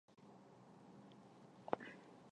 查尔村东部有嚓尔河。